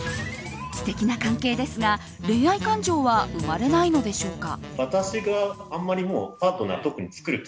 素敵な関係ですが恋愛感情は生まれないのでしょうか。